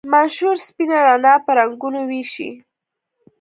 منشور سپینه رڼا په رنګونو ویشي.